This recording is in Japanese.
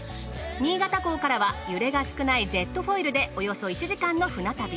新潟港からは揺れが少ないジェットフォイルでおよそ１時間の船旅。